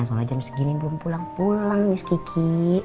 soalnya jam segini belum pulang pulang nih sekiki